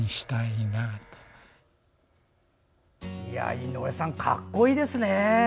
井上さん、格好いいですね。